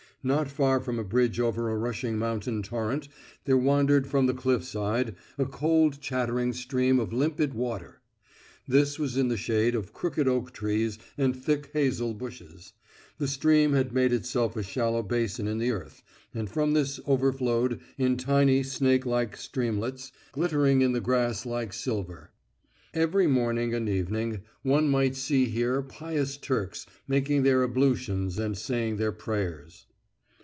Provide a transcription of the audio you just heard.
Not far from a bridge over a rushing mountain torrent there wandered from the cliff side a cold chattering stream of limpid water. This was in the shade of crooked oak trees and thick hazel bushes. The stream had made itself a shallow basin in the earth, and from this overflowed, in tiny snake like streamlets, glittering in the grass like living silver. Every morning and evening one might see here pious Turks making their ablutions and saying their prayers.